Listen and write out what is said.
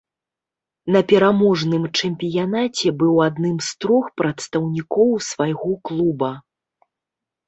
На пераможным чэмпіянаце быў адным з трох прадстаўнікоў свайго клуба.